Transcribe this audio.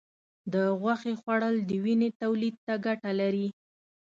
د غوښې خوړل د وینې تولید ته ګټه لري.